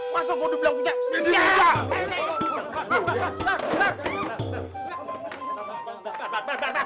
masa gue udah bilang punya